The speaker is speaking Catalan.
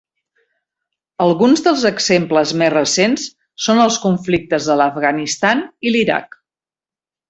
Alguns dels exemples més recents són els conflictes a l'Afganistan i l'Iraq.